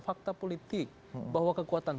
fakta politik bahwa kekuatan